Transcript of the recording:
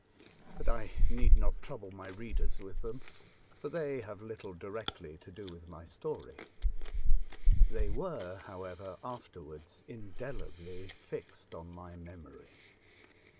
But I need not trouble my readers with, them, for they have little directly to do with my story ; they were, however, afterwards indelibly fixed on my memory.